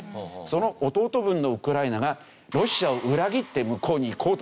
その弟分のウクライナがロシアを裏切って向こうに行こうとするのか！